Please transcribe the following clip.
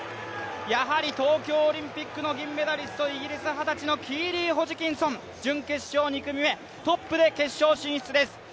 やはり東京オリンピックの銀メダリスト、イギリス二十歳のキーリー・ホジキンソン、準決勝２組目、トップで決勝進出です。